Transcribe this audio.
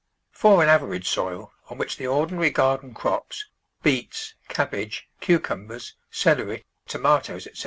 For an average soil, on which the ordinary gar den crops — beets, cabbage, cucumbers, celery, to matoes, etc.